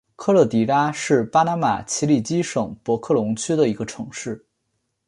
科迪勒拉是巴拿马奇里基省博克龙区的一个城市。